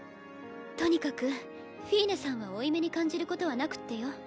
とにかくフィーネさんは負い目に感じることはなくってよ。